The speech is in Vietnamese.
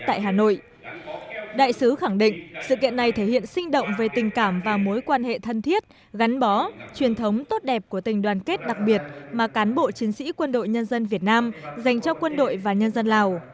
đại sứ khẳng định sự kiện này thể hiện sinh động về tình cảm và mối quan hệ thân thiết gắn bó truyền thống tốt đẹp của tình đoàn kết đặc biệt mà cán bộ chiến sĩ quân đội nhân dân việt nam dành cho quân đội và nhân dân lào